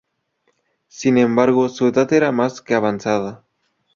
Sin embargo, su edad era más que avanzada.